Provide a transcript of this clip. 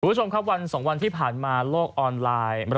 คุณผู้ชมครับวัน๒วันที่ผ่านมาโลกออนไลน์